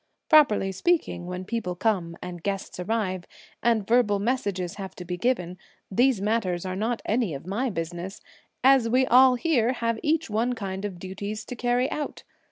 Properly speaking, when people come and guests arrive, and verbal messages have to be given, these matters are not any of my business, as we all here have each one kind of duties to carry out.